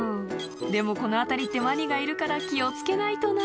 「でもこの辺りってワニがいるから気を付けないとな」